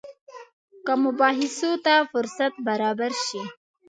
که مباحثو ته فرصت برابر شي.